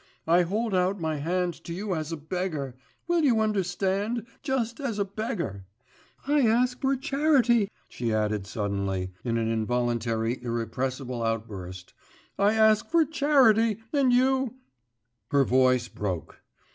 I hold out my hand to you as a beggar, will you understand, just as a beggar.... I ask for charity,' she added suddenly, in an involuntary, irrepressible outburst, 'I ask for charity, and you ' Her voice broke.